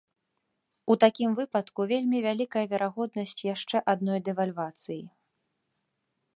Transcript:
У такім выпадку вельмі вялікая верагоднасць яшчэ адной дэвальвацыі.